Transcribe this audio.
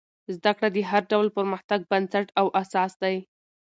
زده کړه د هر ډول پرمختګ بنسټ او اساس دی.